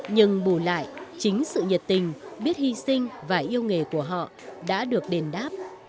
nhưng bù lại chính sự nhiệt tình biết hy sinh và yêu nghề của họ đã được đền đáp